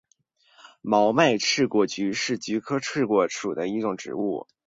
毛脉翅果菊是菊科翅果菊属的植物。